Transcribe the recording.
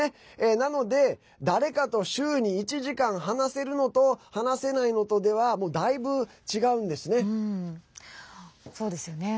なので、誰かと週に１時間話せるのと話せないのとではだいぶ違うんですね。